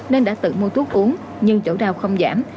nên đã tự mua thuốc uống nhưng chỗ nào không giảm